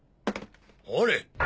ほれ。